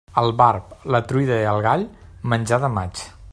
El barb, la truita i el gall, menjar de maig.